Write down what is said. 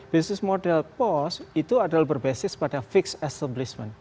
business model pos itu adalah berbasis pada fixed establishment